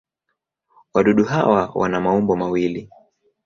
Wadudu hawa wana maumbo mawili.